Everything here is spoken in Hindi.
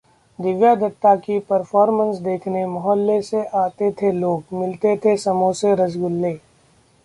दिव्या दत्ता की परफॉर्मेंस देखने मोहल्ले से आते थे लोग, मिलते थे समोसे रसगुल्ले